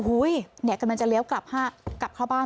อุ้ยเนี่ยกำลังจะเลี้ยวกลับเข้าบ้าน